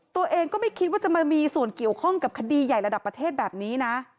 ตัวเองก็ไม่คิดว่าจะมามีส่วนเกี่ยวข้องกับคดีใหญ่ระดับประเทศแบบนี้นะ